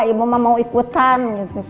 ibu mau ikutan